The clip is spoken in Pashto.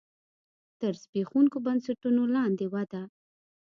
تر زبېښونکو بنسټونو لاندې وده.